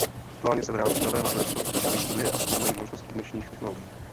Aktuálně se v rámci nového projektu připravují studie a zkoumají možnosti dnešních technologií.